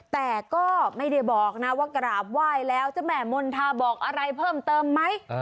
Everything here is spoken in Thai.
แต่ก็ไม่ได้บอกนะว่ากราบไหว้แล้วเจ้าแม่มณฑาบอกอะไรเพิ่มเติมไหม